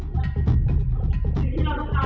สวัสดีครับวันนี้เราจะกลับมาเมื่อไหร่